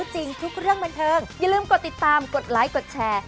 จริงทุกเรื่องบันเทิงอย่าลืมกดติดตามกดไลค์กดแชร์